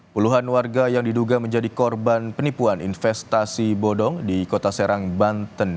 puluhan warga yang diduga menjadi korban penipuan investasi bodong di kota serang banten